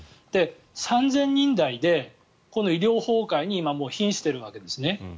３０００人台でこの医療崩壊にもうひんしているわけですね。